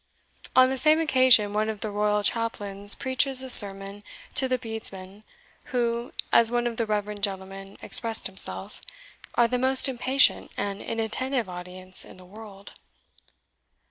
On the same occasion one of the Royal Chaplains preaches a sermon to the Bedesmen, who (as one of the reverend gentlemen expressed himself) are the most impatient and inattentive audience in the world.